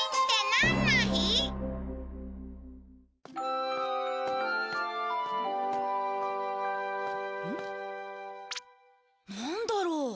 なんだろう？